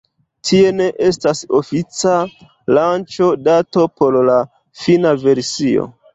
Tie ne estas ofica lanĉo-dato por la fina versio.